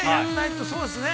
◆そうですね。